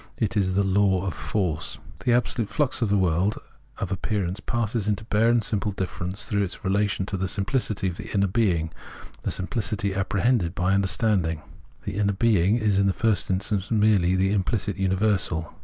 It is the Law of Force.* The absolute flux of the world of appearance passes into bare and simple difference through its relation to the simplicity of the inner being, the simplicity appre hended by understanding. The inner being is in the first instance merely the implicit universal.